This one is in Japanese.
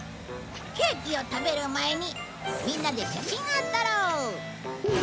ケーキを食べる前にみんなで写真を撮ろう！